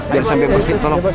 biar sampai bersih tolong